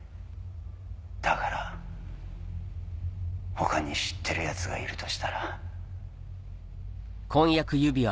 だから他に知ってる奴がいるとしたら。